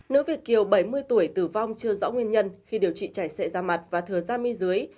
nữ việt kiều bảy mươi tuổi tử vong chưa rõ nguyên nhân khi điều trị chảy xệ da mặt và thừa da bên dưới